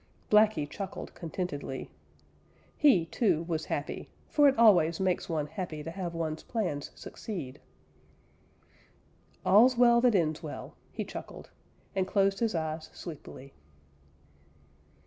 Blacky chuckled contentedly. He, too, was happy, for it always makes one happy to have one's plans succeed. "All's well that end's well," he chuckled, and closed his eyes sleepily.